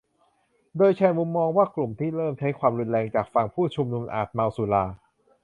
โดยแชร์มุมมองว่ากลุ่มที่เริ่มใช้ความรุนแรงจากฝั่งผู้ชุมนุมอาจเมาสุรา